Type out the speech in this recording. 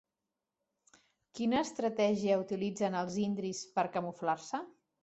Quina estratègia utilitzen els indris per camuflar-se?